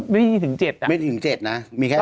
พี่บ๊วยไม่ได้มีถึง๗